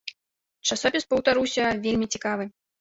Часопіс, паўтаруся, вельмі цікавы.